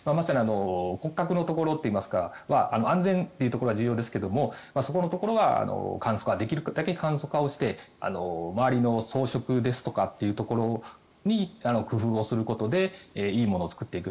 骨格のところといいますか安全というところが重要ですがそこのところはできるだけ簡素化をして周りの装飾ですとかそういうところに工夫をすることでいいものを作っていく。